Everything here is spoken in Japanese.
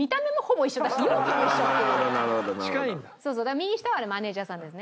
右下はあれマネージャーさんですね。